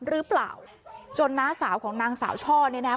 หรือเปล่าจนน้าสาวของนางสาวช่อเนี่ยนะ